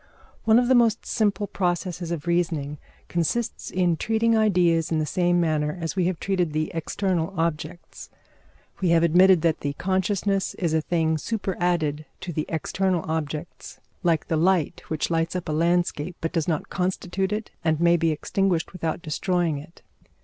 One of the most simple processes of reasoning consists in treating ideas in the same manner as we have treated the external objects. We have admitted that the consciousness is a thing superadded to the external objects, like the light which lights up a landscape, but does not constitute it and may be extinguished without destroying it.